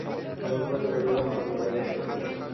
রঘুপতি বলিলেন, তবে বলো সে কে!